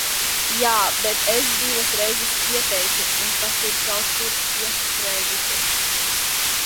Jā, bet es divas reizes ieteicu, un tās ir kaut kur iestrēgušas.